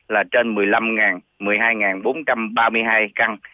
là trên một mươi năm một mươi hai bốn trăm ba mươi hai căn